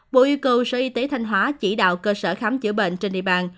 bộ yêu cầu sở y tế thanh hóa chỉ đạo cơ sở khám chữa bệnh trên địa bàn